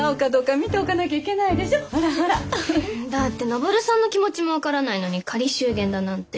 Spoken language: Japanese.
だって登さんの気持ちも分からないのに仮祝言だなんて。